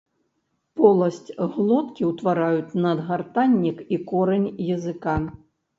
Поласць глоткі ўтвараюць надгартаннік і корань языка.